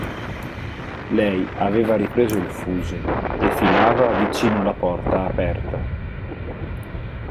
Lei aveva ripreso il fuso e filava vicino alla porta aperta.